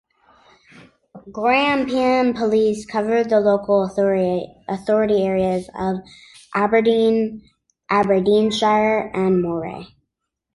Grampian Police covered the local authority areas of Aberdeen, Aberdeenshire and Moray.